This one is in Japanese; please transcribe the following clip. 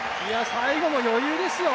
最後も余裕ですよ。